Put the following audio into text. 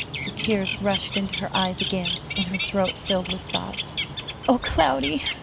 The tears rushed into her eyes again, and her throat filled with sobs. "O Cloudy!"